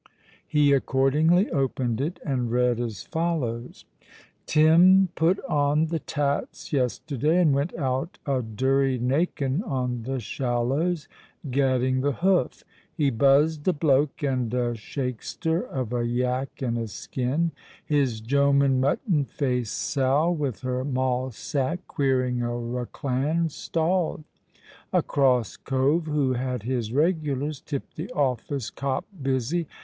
He accordingly opened it, and read as follows:— "Tim put on the tats yesterday and went out a durry nakin on the shallows, gadding the hoof. He buzzed a bloak and a shakester of a yack and a skin. His jomen Mutton Face Sal, with her moll sack queering a raclan, stalled. A cross cove, who had his regulars, tipped the office '_Cop Busy!